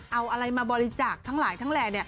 เอาอะไรมาบริจาคทั้งหลายทั้งแหล่